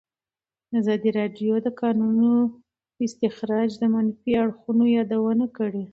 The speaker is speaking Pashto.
ازادي راډیو د د کانونو استخراج د منفي اړخونو یادونه کړې.